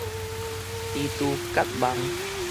蜘蛛結網